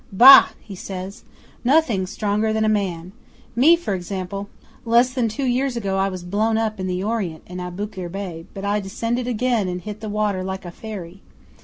'"Bah!" he says. "Nothing's stronger than a man. Me, for example! Less than two years ago I was blown up in the Orient in Aboukir Bay, but I descended again and hit the water like a fairy.